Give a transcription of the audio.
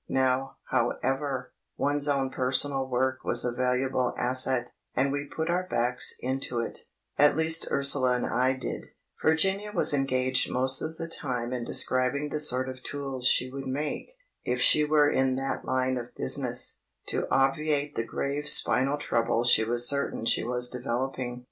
Now, however, one's own personal work was a valuable asset, and we put our backs into it—at least Ursula and I did; Virginia was engaged most of the time in describing the sort of tools she would make, if she were in that line of business, to obviate the grave spinal trouble she was certain she was developing.